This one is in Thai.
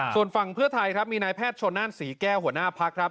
ส่วนฝั่งเพื่อไทยครับมีนายแพทย์ชนนั่นศรีแก้วหัวหน้าพักครับ